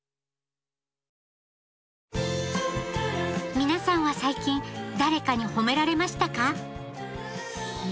皆さんは最近誰かに褒められましたか？